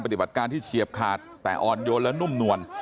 ปฏิบัติการที่เฉียบขาดแต่อ่อนโยนและนุ่มนวล